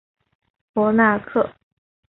博纳克。